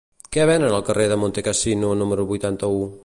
Què venen al carrer de Montecassino número vuitanta-u?